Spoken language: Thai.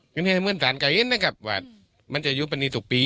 ก็ไม่ให้เหมือนสารไกลนะครับว่ามันจะอยู่ปันนี้ตุกปี